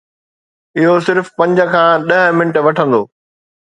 اهو صرف پنج کان ڏهه منٽ وٺندو.